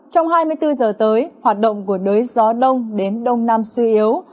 trong hai mươi bốn giờ tới hoạt động của đới gió đông đến đông nam suy yếu